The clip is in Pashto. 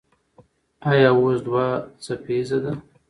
ایا اوس دوه څپیزه ده؟